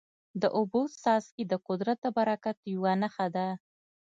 د اوبو څاڅکي د قدرت د برکت یوه نښه ده.